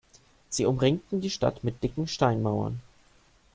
Sie umringten die Stadt mit dicken Steinmauern.